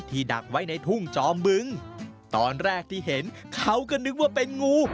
ดักไว้ในทุ่งจอมบึงตอนแรกที่เห็นเขาก็นึกว่าเป็นงู